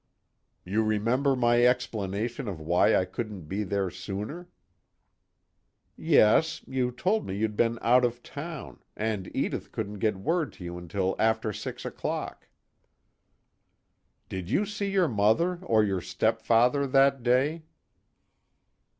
"You remember my explanation of why I couldn't be there sooner?" "Yes, you told me you'd been out of town, and Edith couldn't get word to you until after six o'clock." "Did you see your mother or your stepfather that day?"